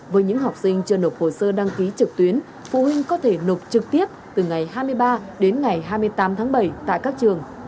với những học sinh chưa nộp hồ sơ đăng ký trực tuyến phụ huynh có thể nộp trực tiếp từ ngày hai mươi ba đến ngày hai mươi tám tháng bảy tại các trường